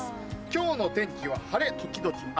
今日の天気は晴れ時々雨。